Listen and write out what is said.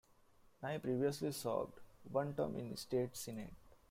Nye previously served one term in the state Senate.